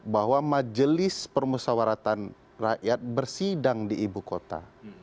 bahwa majelis permusawaratan rakyat bersidang di ibu kota